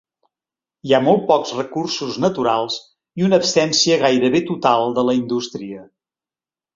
Hi ha molt pocs recursos naturals, i una absència gairebé total de la indústria.